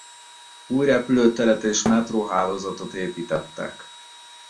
Új repülőteret és metróhálózatot építettek.